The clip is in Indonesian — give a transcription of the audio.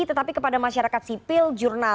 tetapi kepada masyarakat sipil jurnal